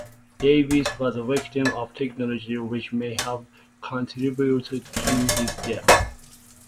Davis was a victim of technology which may have contributed to his death.